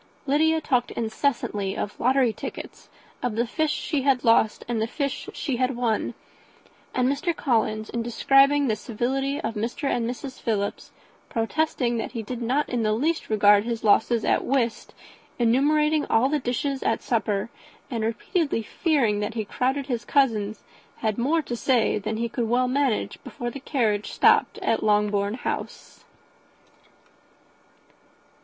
Lydia talked incessantly of lottery tickets, of the fish she had lost and the fish she had won; and Mr. Collins, in describing the civility of Mr. and Mrs. Philips, protesting that he did not in the least regard his losses at whist, enumerating all the dishes at supper, and repeatedly fearing that he crowded his cousins, had more to say than he could well manage before the carriage stopped at Longbourn House.